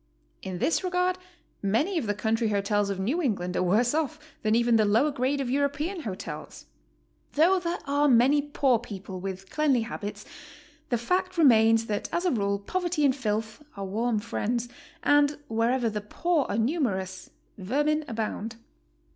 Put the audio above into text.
In this regard many of the country hotels of New England are worse off than even the lower grade of European hotels. Though there are many poor people with cleanly habits. HOW TO STAY. 129 the fact remains that as a rule poverty and filth are warm friends, and wherever the poor are numerous, vermin abound.